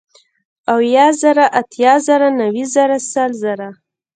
اويه زره ، اتيا زره نوي زره سل زره